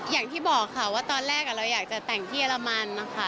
อย่างที่บอกค่ะว่าตอนแรกเราอยากจะแต่งที่เรมันนะคะ